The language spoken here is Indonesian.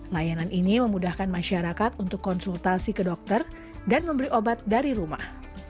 layanan ini memudahkan masyarakat untuk konsultasi ke dokter dan membeli obat dari rumah